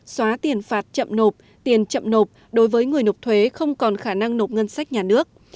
xóa tiền phạt chậm nộp tiền chậm nộp đối với người nộp thuế không còn khả năng nộp ngân sách nhà nước